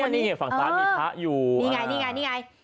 นี่ไงฝั่งฟ้านมีพระอยู่นี่ไง